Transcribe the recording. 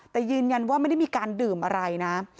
แต่ยืนยันว่าไม่ได้มีการดื่มอะไรนะ